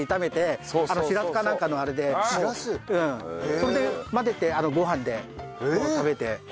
それで混ぜてごはんで食べて。